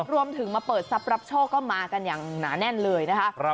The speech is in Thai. รวมถึงมาเปิดทรัพย์รับโชคก็มากันอย่างหนาแน่นเลยนะคะ